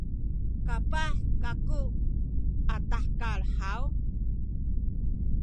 kapah kaku a tahekal haw?